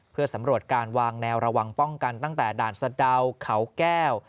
เพื่อสำรวจการวางแนวระวังป้องกันตั้งแต่ด่านสะดาวเขาแก้ว